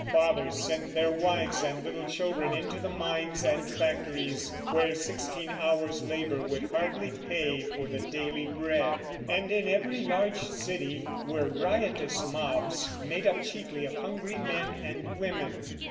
Fathers sent their wives and little children into the mines and factories, where sixteen hours' labor would hardly pay for the daily bread; and in every large city were riotous mobs made up chiefly of hungry men and women.